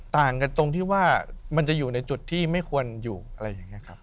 ต่างกันตรงที่ว่ามันจะอยู่ในจุดที่ไม่ควรอยู่อะไรอย่างนี้ครับ